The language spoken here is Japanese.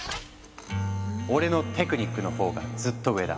「俺のテクニックの方がずっと上だ。